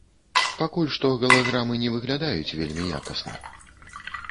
Пакуль што галаграмы не выглядаюць вельмі якасна.